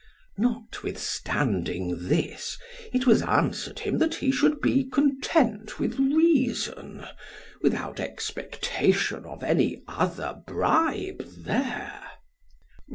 Notwithstanding this, it was answered him that he should be content with reason, without expectation of any other bribe there.